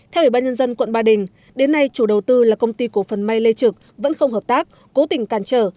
theo ủy ban nhân dân quận ba đình đến nay chủ đầu tư là công ty cổ phần may lê trực vẫn không hợp tác cố tình càn trở